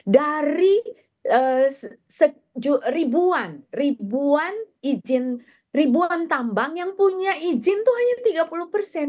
dari ribuan ribuan izin ribuan tambang yang punya izin itu hanya tiga puluh persen